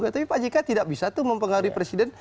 tapi pak jk tidak bisa tuh mempengaruhi presiden